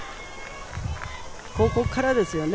ここからですよね。